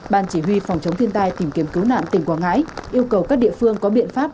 ban chỉ huy phòng chống thiên tai tìm kiếm cứu nạn tỉnh quảng ngãi yêu cầu các địa phương có biện pháp